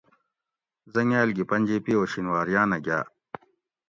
حٔنگاۤل گی پنجیپی او شینواۤریانہ گاۤ